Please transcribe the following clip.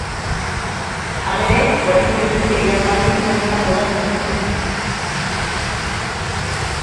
Halere, oraindik ez dute iragarri nor izango den mutilen kanpainako modeloa.